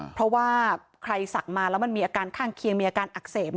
เพราะว่าใครศักดิ์มาแล้วมันมีอาการข้างเคียงมีอาการอักเสบ